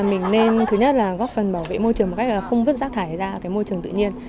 mình nên thứ nhất là góp phần bảo vệ môi trường một cách là không vứt rác thải ra môi trường tự nhiên